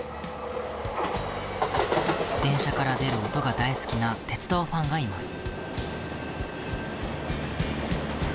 電車から出る音が大好きな鉄道ファンがいます。